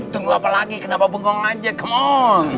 tunggu apa lagi kenapa bengkong aja come on